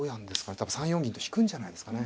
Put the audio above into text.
多分３四銀と引くんじゃないですかね。